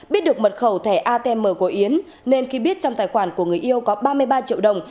biết được mật khẩu thẻ atm của yến nên khi biết trong tài khoản của người yêu có ba mươi ba triệu đồng